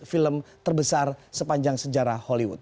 film terbesar sepanjang sejarah hollywood